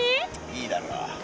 いいだろう。